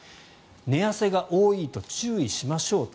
寝汗が多いと注意しましょうと。